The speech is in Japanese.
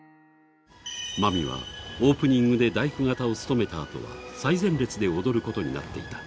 まみはオープニングで大工方を務めた後は最前列で踊ることになっていた。